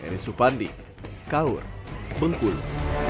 r s supandi kaur bengkulu